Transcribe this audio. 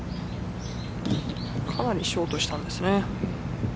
かなりショートしたんですね。